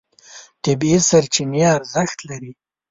طبیعي سرچینې ارزښت لري.